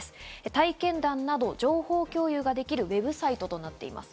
体験談など情報共有ができるＷＥＢサイトとなっています。